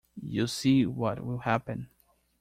You see what will happen.